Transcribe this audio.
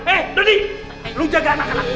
eh doni lu jaga anak anak